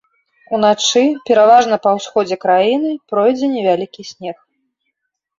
Уначы пераважна па ўсходзе краіны пройдзе невялікі снег.